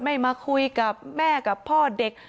ไม่มาคุยกับแม่กับพ่อเด็ก